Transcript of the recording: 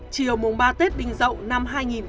chiều mùng ba tết bình dậu năm hai nghìn một mươi bảy